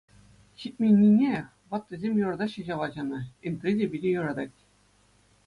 Ҫитменнине, ваттисем юратаҫҫӗ ҫав ачана, Энтри те питӗ юратать.